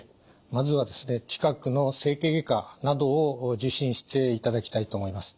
まずは近くの整形外科などを受診していただきたいと思います。